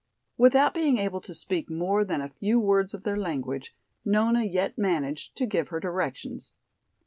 Without being able to speak more than a few words of their language, Nona yet managed to give her directions.